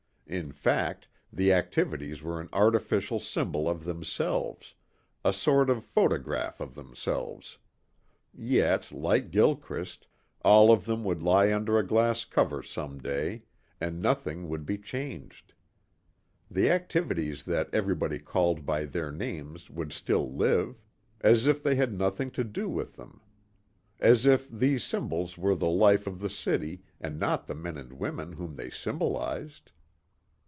In fact the activities were an artificial symbol of themselves a sort of photograph of themselves. Yet like Gilchrist, all of them would lie under a glass cover some day and nothing would be changed. The activities that everybody called by their names would still live. As if they had had nothing to do with them. As if these symbols were the life of the city and not the men and women whom they symbolized.